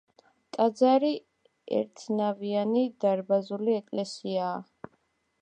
ტაძარი ერთნავიანი დარბაზული ეკლესიაა.